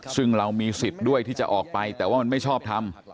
ซึ่งเรามีสิทธิ์ด้วยที่จะออกไปแต่ว่ามันไม่ชอบทำ